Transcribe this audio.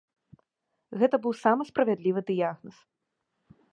Гэта быў самы справядлівы дыягназ.